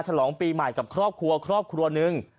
ฉลองปีใหม่กับครอบครัวครอบครัวหนึ่ง